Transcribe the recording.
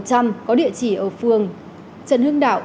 có địa chỉ ở phường trần hương đạo